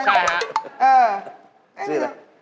ใช่ครับ